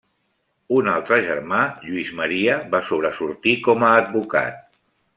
Un altre germà, Lluís Maria, va sobresortir com a advocat.